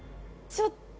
ちょっと